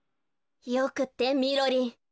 よくってみろりん！